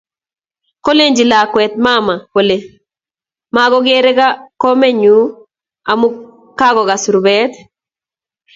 Kolenji lakwet mama kole magogere komnyei amu kakogas rubet